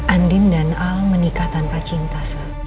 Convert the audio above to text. andin dan al menikah tanpa cinta